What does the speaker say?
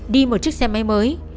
đi một chiếc xe máy mới